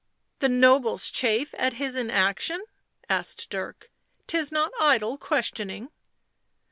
" The nobles chafe at his inaction ?" asked Dirk. " 'Tis not idle questioning."